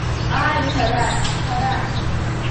Ааи, Ҭарашь, Ҭарашь!